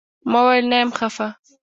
ما وويل نه يم خپه.